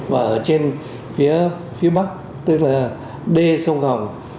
và ở trên phía bắc tức là đê sông hồng